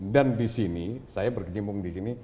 dan disini saya berkecimpung disini